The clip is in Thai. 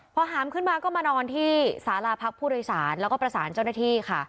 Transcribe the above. พอหามขึ้นมาก็มานอนที่สาราพักผู้โดยสารแล้วก็ประสานเจ้าหน้าที่ค่ะ